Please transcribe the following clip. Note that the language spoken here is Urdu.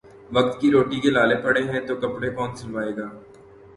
وقت کی روٹی کے لالے پڑے ہیں تو کپڑے کون سلوائے گا